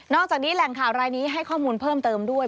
จากนี้แหล่งข่าวรายนี้ให้ข้อมูลเพิ่มเติมด้วย